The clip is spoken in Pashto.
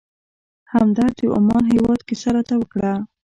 همدرد د عمان هېواد کیسه راته وکړه.